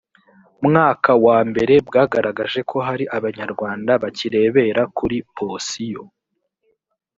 mwaka wa mbere bwagaragaje ko hari abanyarwanda bakirebera kuri posiyo